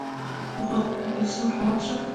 د خوست په باک کې د سمنټو مواد شته.